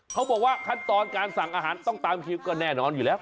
เขาบอกว่าขั้นตอนการสั่งอาหารต้องตามคิวก็แน่นอนอยู่แล้ว